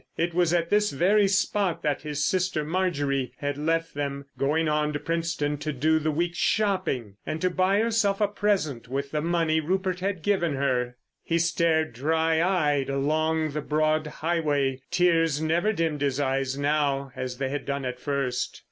It was at this very spot that his sister Marjorie had left them, going on into Princetown to do the week's shopping—and to buy herself a present with the money Rupert had given her! He stared dry eyed along the broad highway. Tears never dimmed his eyes now, as they had done at first.